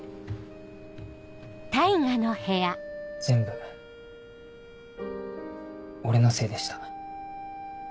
全部俺のせいでした。